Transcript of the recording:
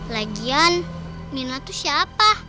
lagian nina tuh siapa